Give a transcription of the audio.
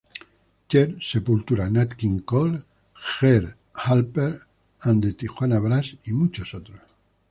Cher, Sepultura, Nat King Cole, Herb Alpert and the Tijuana Brass y muchos otros.